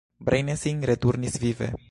Breine sin returnis vive.